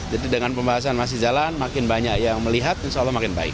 jadi dengan pembahasan masih jalan makin banyak yang melihat insya allah makin baik